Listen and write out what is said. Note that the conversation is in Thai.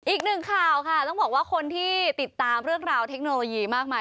อีกหนึ่งข่าวค่ะต้องบอกว่าคนที่ติดตามเรื่องราวเทคโนโลยีมากมาย